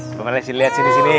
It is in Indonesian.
tunggalin liat sini sini